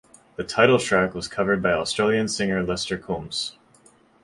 The title track was covered by Australian singer Lester Coombs.